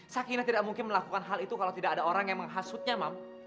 sakinah tidak mungkin melakukan hal itu kalau tidak ada orang yang menghasutnya